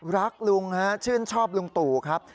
รักลุงฮะชื่นชอบลุงตู่ครับ